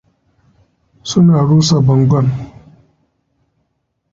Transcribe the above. Suna rusa bangon.